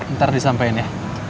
ntar disampaikan ya